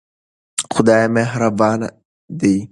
خدای مهربان دی.